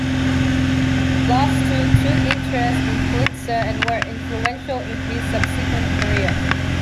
The last two took interest in Politzer and were influential in his subsequent career.